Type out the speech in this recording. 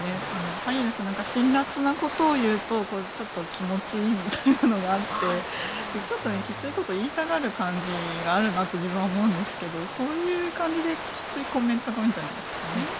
パリの人は辛辣なことを言うと気持ちいいみたいなことがあってちょっときついことを言いたがる感じがあるなと自分は思うんですけどそういう感じできついコメントが多いんじゃないですかね。